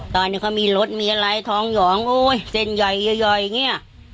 ตอนนี้เขามีรถมีอะไรทองหยองอุ้ยเซ็นใหญ่ใหญ่เนี่ย